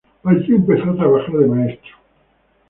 Allí empezó a trabajar de maestro.